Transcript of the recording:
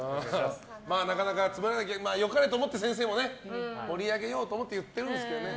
なかなか、つまらないけど良かれと思って先生も盛り上げようと思って言ってるんですけどね。